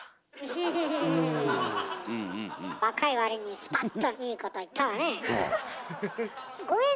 若い割にスパッといいこと言ったわねえ。